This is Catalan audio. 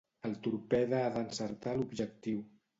El torpede ha d'encertar l'objectiu.